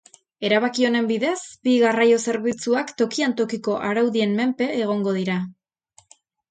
Erabaki honen bidez bi garraio zerbitzuak tokian tokiko araudien menpe egongo dira.